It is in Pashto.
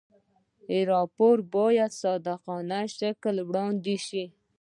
راپور باید په صادقانه شکل وړاندې شي.